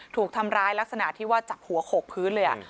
ถูกทำร้ายลักษณะที่ว่าจับหัวโขกพื้นเลย